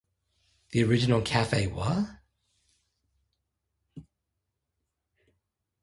The original Cafe Wha?